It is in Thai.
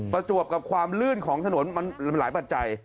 จวบกับความลื่นของถนนมันหลายปัจจัย